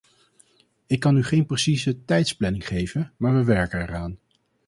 Ik kan u geen precieze tijdsplanning geven, maar we werken eraan.